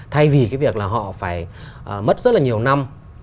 thay vì cái việc là họ phải mất rất là nhiều năm